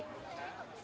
một lựa chọn xếp